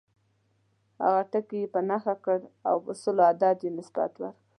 هغه ټکی یې په نښه کړ او سلو عدد یې نسبت ورکړ.